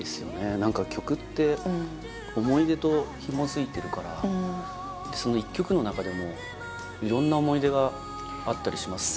何か曲って思い出とひも付いてるからその１曲の中でも色んな思い出があったりしますよね